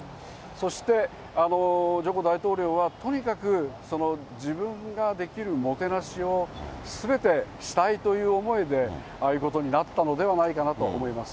そして、ジョコ大統領は、とにかく自分ができるもてなしをすべてしたいという思いで、ああいうことになったのではないかなと思います。